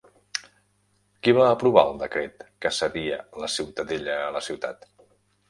Qui va aprovar el decret que cedia la Ciutadella a la ciutat?